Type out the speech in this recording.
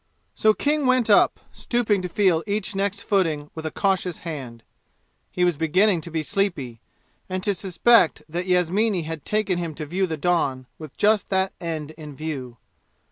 So King went up, stooping to feel each next footing with a cautious hand. He was beginning to be sleepy, and to suspect that Yasmini had taken him to view the dawn with just that end in view.